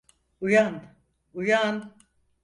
Uyan, uyan!